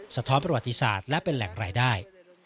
ท้อนประวัติศาสตร์และเป็นแหล่งรายได้